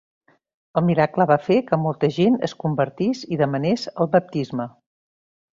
El miracle va fer que molta gent es convertís i demanés el baptisme.